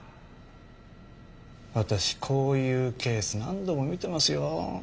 私こういうケース何度も見てますよ。